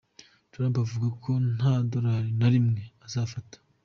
Trump avuga ko nta dorali na rimwe azafata.